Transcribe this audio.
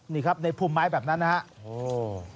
นี่ครับในพุ่มไม้แบบนั้นนะครับ